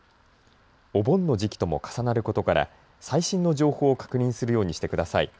お盆の時期とも重なることから最新の情報を確認するようにしてください。